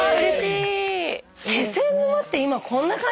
気仙沼って今こんな感じなの？